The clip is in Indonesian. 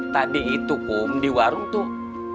tadi itu kum di warung tuh